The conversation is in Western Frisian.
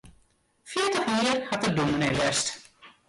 Fjirtich jier hat er dûmny west.